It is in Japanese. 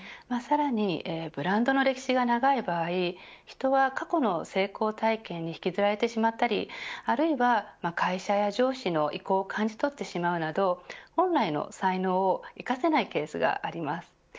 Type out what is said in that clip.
さらにブランドの歴史が長い場合人は過去の成功体験に引きずられてしまったりあるいは、会社や上司の意向を感じ取ってしまうなど本来の才能を生かせないケースがあります。